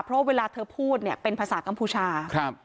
เพราะเวลาเธอพูดเนี่ยเป็นภาษากัมพูชาครับ